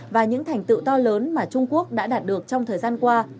và những thành tựu to lớn mà trung quốc đã đạt được trong thời gian qua